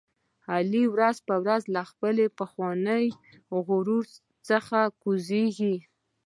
علي ورځ په ورځ له خپل پخواني غرور څخه را کوزېږي.